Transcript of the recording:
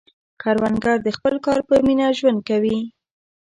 کروندګر د خپل کار په مینه ژوند کوي